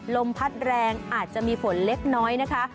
ลมพัดแรงอาจจะมีฝนเล็กน้อยนะคะ